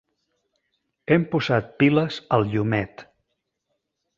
Hem posat piles al llumet.